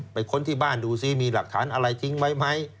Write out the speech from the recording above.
ค้นที่บ้านดูซิมีหลักฐานอะไรทิ้งไว้ไหม